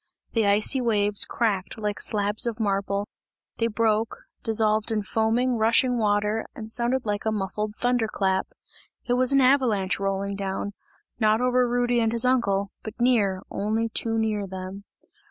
The icy waves cracked like slabs of marble, they broke, dissolved in foaming, rushing water and sounded like a muffled thunder clap. It was an avalanche rolling down, not over Rudy and his uncle, but near, only too near to them.